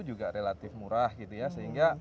juga relatif murah sehingga